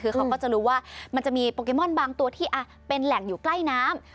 คือเขาก็จะรู้ว่ามันจะมีโปเกมอนบางตัวที่เป็นแหล่งอยู่ใกล้น้ำ